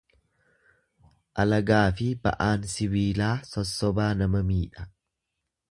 Alagaafi ba'aan sibiilaa sossobaa nama miidha.